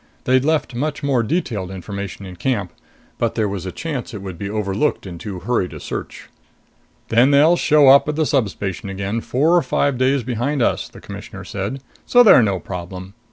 They'd left much more detailed information in camp, but there was a chance it would be overlooked in too hurried a search. "Then they'll show up at the substation again four or five days behind us," the Commissioner said. "So they're no problem.